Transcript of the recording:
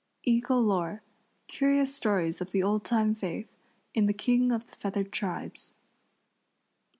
] EAGLE LORE. CURIOUS STORIES OF THE OLD TIME FAITH IN THE "KING OF THE FEATHERED TRIBES."